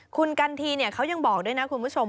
คุณกันทีเขายังบอกด้วยนะคุณผู้ชม